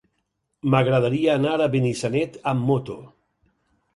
M'agradaria anar a Benissanet amb moto.